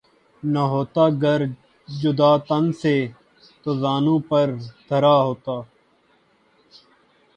نہ ہوتا گر جدا تن سے تو زانو پر دھرا ہوتا